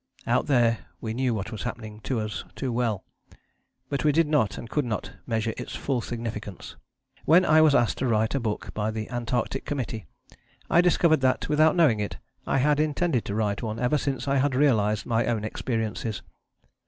Out there we knew what was happening to us too well; but we did not and could not measure its full significance. When I was asked to write a book by the Antarctic Committee I discovered that, without knowing it, I had intended to write one ever since I had realized my own experiences.